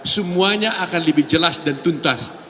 semuanya akan lebih jelas dan tuntas